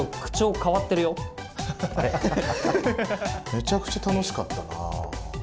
めちゃくちゃ楽しかったな。